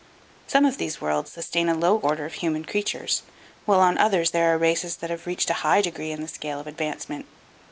Some of these worlds sustain a low order of human creatures, while on others there are races that have reached a high degree in the scale of advancement.